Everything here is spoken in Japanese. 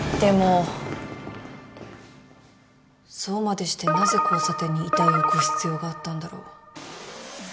そうまでしてなぜ交差点に遺体を置く必要があったんだろう。